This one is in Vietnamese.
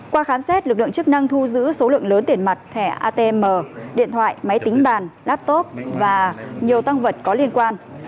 qua khám xét lực lượng chức năng thu giữ số lượng lớn tiền mặt thẻ atm điện thoại máy tính bàn laptop và nhiều tăng vật có liên quan